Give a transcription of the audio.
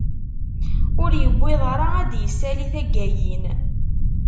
Ur yewwiḍ ara ad d-isali taggayin.